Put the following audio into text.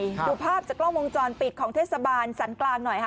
ดูภาพจากกล้องวงจรปิดของเทศบาลสันกลางหน่อยค่ะ